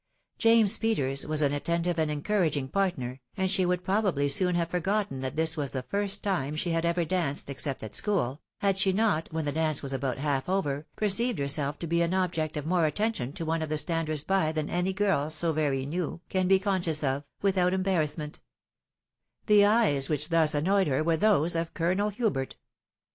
James Peters was aa attentive and eneounagiBg partner, and she would probably soon have forgotten that tins was the first time she had ever danced, except at stzhoel, had she not, when the dance was about half over, perceived semlf to be an object of more attention to one of the standera by than any girl, so very new, can be conscious of, "vidua* eat* barrassment, The eyes which thus annoyed he* ware these of Colonel Hubert.